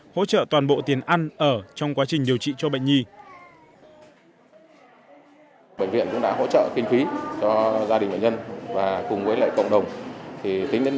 hỗ trợ toàn bộ tiền ăn ở trong quá trình điều trị cho bệnh nhi